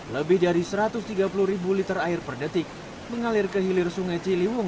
lebih dari satu ratus tiga puluh ribu liter air per detik mengalir ke hilir sungai ciliwung